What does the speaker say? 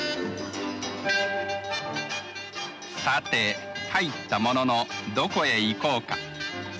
さて入ったもののどこへ行こうか。